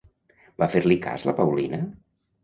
Va fer-li cas la Paulina?